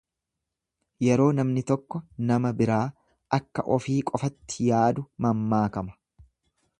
Yeroo namni tokko nama biraa akka ofii qofatti yaadu mammaakama.